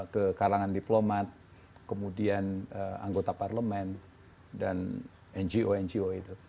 ke kalangan diplomat kemudian anggota parlemen dan ngo ngo itu